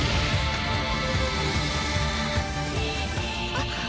あっ。